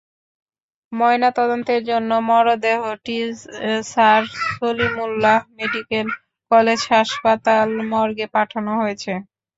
ময়নাতদন্তের জন্য মরদেহটি স্যার সলিমুল্লাহ মেডিকেল কলেজ হাসপাতাল মর্গে পাঠানো হয়েছে।